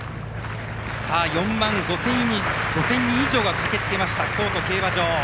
４万５０００人以上が駆けつけました京都競馬場。